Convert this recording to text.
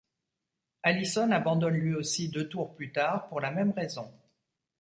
Allison abandonne lui aussi, deux tours plus tard, pour la même raison.